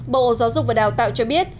bộ giáo dục và đào tạo cho biết